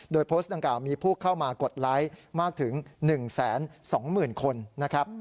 โดยโพสต์ดังกล่าวมีผู้เข้ามากดไลค์มากถึง๑๒๐๐๐คนนะครับ